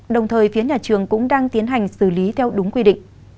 đồng thời phía nhà trường cũng đang tiến hành xử lý theo đúng quy định